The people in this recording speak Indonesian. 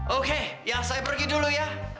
oke ya saya pergi dulu ya